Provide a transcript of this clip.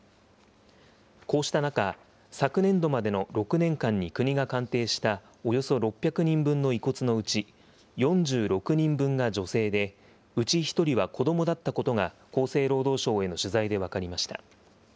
こうした中、昨年度までの６年間に国が鑑定したおよそ６００人分の遺骨のうち、４６人分が女性で、うち１人は子どもだったことが、厚生労働省への取材で分かりました。